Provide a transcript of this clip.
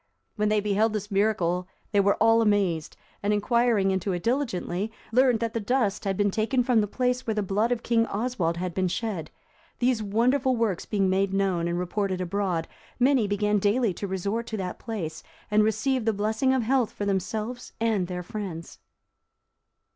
When they beheld this miracle, they were all amazed, and inquiring into it diligently, learned that the dust had been taken from the place where the blood of King Oswald had been shed. These wonderful works being made known and reported abroad, many began daily to resort to that place, and received the blessing of health for themselves and their friends.